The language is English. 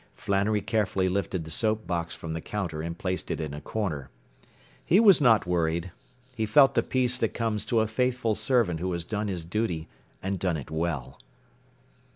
Flannery carefully lifted the soap box from the counter and placed it in a corner. He was not worried. He felt the peace that comes to a faithful servant who has done his duty and done it well.